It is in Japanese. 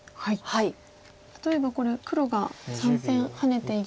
例えばこれ黒が３線ハネていきますと。